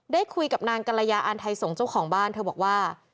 ได้คุยกับนางกรยาอ่านไทยส่งเจ้าของบ้านเธอบอกว่า